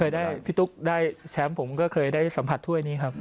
ได้พี่ตุ๊กได้แชมป์ผมก็เคยได้สัมผัสถ้วยนี้ครับ